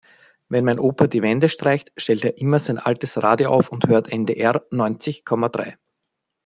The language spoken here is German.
Wenn mein Opa die Wände streicht, stellt er immer sein altes Radio auf und hört NDR neunzig Komma drei.